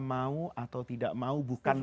mau atau tidak mau bukan